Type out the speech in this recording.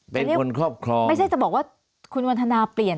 เป็นคนครอบครองไม่ใช่จะบอกว่าคุณวันทนาเปลี่ยน